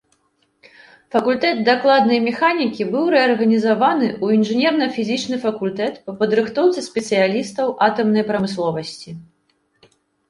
Факультэт дакладнай механікі быў рэарганізаваны ў інжынерна-фізічны факультэт па падрыхтоўцы спецыялістаў атамнай прамысловасці.